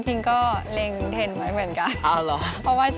จริงก็เล็งเห็นไว้เหมือนกัน